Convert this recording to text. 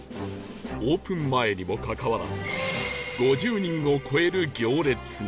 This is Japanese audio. オープン前にもかかわらず５０人を超える行列が